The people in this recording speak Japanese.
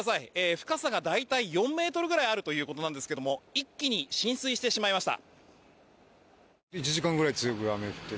深さが、大体４ｍくらいあるということなんですが一気に浸水してしまいました。